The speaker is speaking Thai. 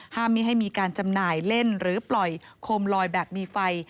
ไม่ให้มีการจำหน่ายเล่นหรือปล่อยโคมลอยแบบมีไฟ